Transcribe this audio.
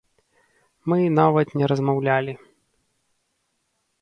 Мы нават не размаўлялі.